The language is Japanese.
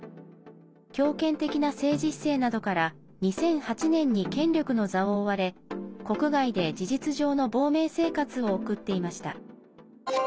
強権的な政治姿勢などから２００８年に権力の座を追われ国外で事実上の亡命生活を送っていました。